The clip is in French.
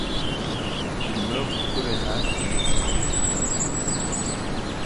Il meurt du choléra à Mexico.